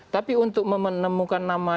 tapi untuk menemukan nama